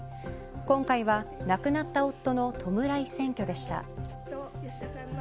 今回は亡くなった夫の弔い選挙でした。